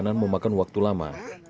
perjalanan memakan waktu lama